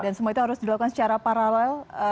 semua itu harus dilakukan secara paralel